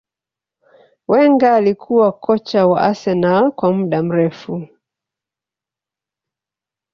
Wenger alikuwa kocha wa arsenal kwa muda mrefu